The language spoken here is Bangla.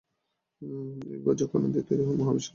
এই অবিভাজ্য কণা দিয়েই তৈরি হয় মহাবিশ্বের তাবৎ বস্তু।